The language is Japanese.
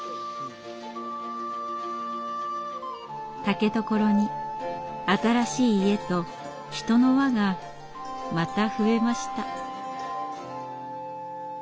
竹所に新しい家と人の輪がまた増えました。